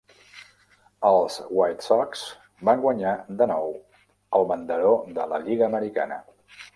Els White Sox van guanyar de nou el banderó de la Lliga americana.